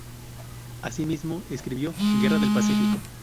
Asimismo, escribió: "Guerra del Pacífico.